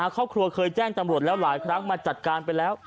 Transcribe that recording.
ครอบครัวเคยแจ้งตำรวจแล้วหลายครั้งมาจัดการไปแล้ว